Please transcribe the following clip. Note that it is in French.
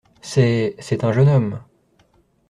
C’est… c’est un jeune homme…